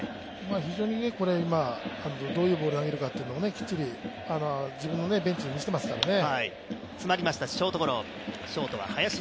非常に今、どういうボール投げるかというのをきっちり自分のベンチに見せてますからね。